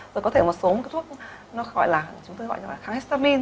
rồi có thể một số thuốc nó gọi là kháng histamine